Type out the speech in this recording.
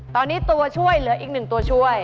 ตอนนี้ตัวช่วยเหลืออีก๑ตัวช่วย